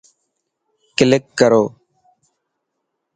ڪلڪ ڪرو.